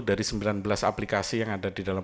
dari sembilan belas aplikasi yang ada di dalam